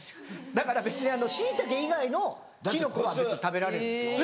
だから別にシイタケ以外のキノコは食べられるんですよ。